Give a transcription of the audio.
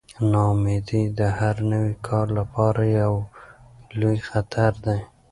ناامیدي د هر نوي کار لپاره یو لوی خطر دی.